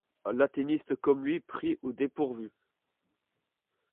Un latiniste comme lui pris au dépourvu!